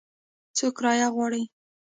څو کرایه غواړي ؟